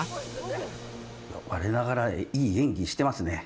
我ながらいい演技してますね。